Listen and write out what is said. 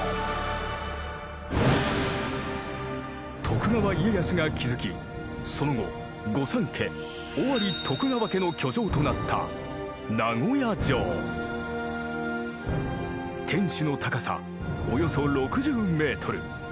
徳川家康が築きその後御三家尾張徳川家の居城となった天守の高さおよそ６０メートル。